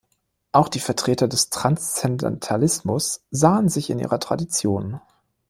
Auch die Vertreter des Transzendentalismus sahen sich in ihrer Tradition.